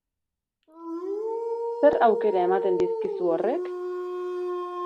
Zer aukera eman dizkizu horrek?